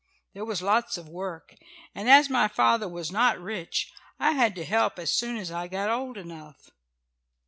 There was lots of work, and, as my father was not rich, I had to help as soon as I got old enough.